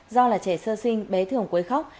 do là trẻ sơ sinh bé thường quấy khóc